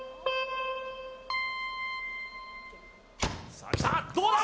さあきたどうだ？